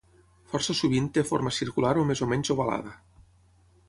Força sovint té forma circular o més o menys ovalada.